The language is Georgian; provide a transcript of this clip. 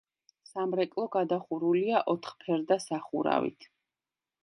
სამრეკლო გადახურულია ოთხფერდა სახურავით.